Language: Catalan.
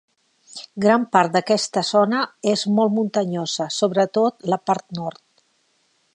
Gran part d'aquesta zona és molt muntanyosa, sobretot la part nord.